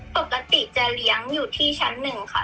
ปกติจะเลี้ยงอยู่ที่ชั้นหนึ่งค่ะ